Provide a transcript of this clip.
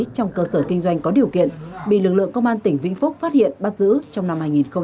trong cơ sở kinh doanh có điều kiện bị lực lượng công an tỉnh vĩnh phúc phát hiện bắt giữ trong năm hai nghìn hai mươi ba